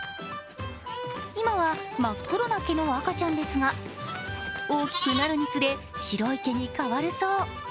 今は真っ黒な毛の赤ちゃんですが大きくなるにつれ、白い毛に変わるそう。